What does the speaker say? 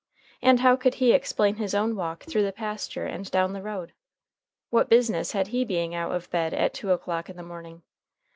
And how could he explain his own walk through the pasture and down the road? What business had he being out of bed at two o'clock in the morning?